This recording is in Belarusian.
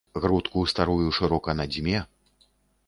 Грудку старую шырока надзьме.